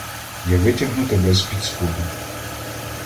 Я витягну тебе спідсподу